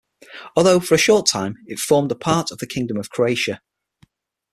Although, for a short time, it formed a part of the Kingdom of Croatia.